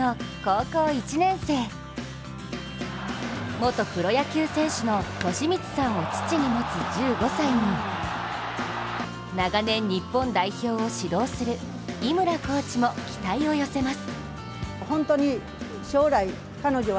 元プロ野球選手の寿光さんを父に持つ１５歳に長年、日本代表を指導する井村コーチも期待を寄せます。